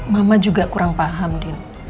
mama juga kurang paham